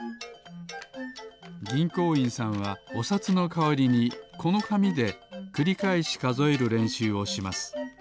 ぎんこういんさんはおさつのかわりにこのかみでくりかえしかぞえるれんしゅうをします。